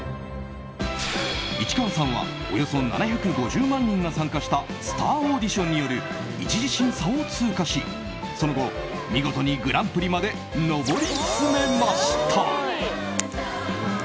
市川さんはおよそ７５０万人が参加したスタアオーディションによる１次審査を通過しその後、見事にグランプリまで上り詰めました。